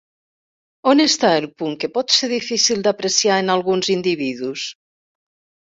On està el punt que pot ser difícil d'apreciar en alguns individus?